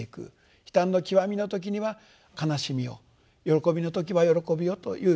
悲嘆の極みの時には悲しみを喜びの時は喜びをというきちっと。